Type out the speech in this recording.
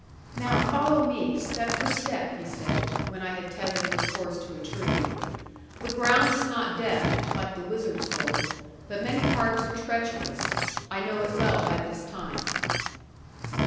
'Now follow me, step for step,' he said, when I had tethered his horse to a tree; 'the ground is not death (like the wizard's hole), but many parts are treacherous, I know it well by this time.'